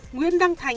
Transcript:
nguyễn đăng thành